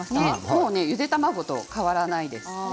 もうゆで卵と変わらないです。